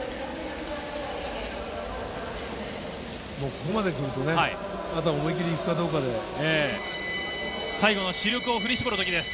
ここまで来るとあと思い切り行くかどうかです。